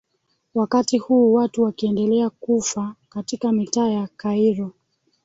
wakati huu watu wakiendelea kufa katika mitaa ya cairo